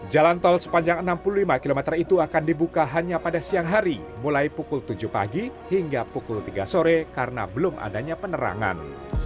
jalan tol sepanjang enam puluh lima km itu akan dibuka hanya pada siang hari mulai pukul tujuh pagi hingga pukul tiga sore karena belum adanya penerangan